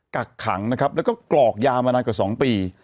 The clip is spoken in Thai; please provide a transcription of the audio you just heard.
กักขังนะครับแล้วก็กรอกยามานานกว่า๒ปี